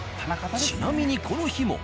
ちなみにこの日も。